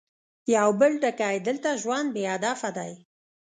يو بل ټکی، دلته ژوند بې هدفه دی.